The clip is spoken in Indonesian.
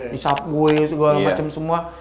di subway segala macam semua